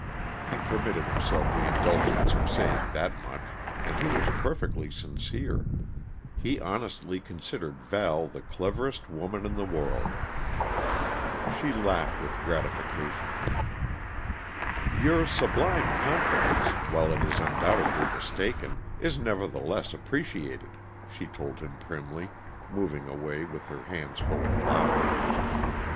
He permitted himself the indulgence of saying that much, and he was perfectly sincere. He honestly considered Val the cleverest woman in the world. She laughed with gratification. "Your sublime confidence, while it is undoubtedly mistaken, is nevertheless appreciated," she told him primly, moving away with her hands full of flowers.